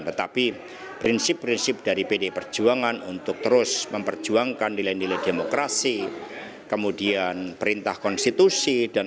tetapi prinsip prinsip dari pdi perjuangan untuk terus memperjuangkan nilai nilai demokrasi kemudian perintah konstitusi